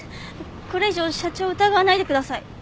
これ以上社長を疑わないでください。